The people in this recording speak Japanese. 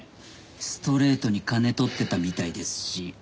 ストレートに金取ってたみたいですし。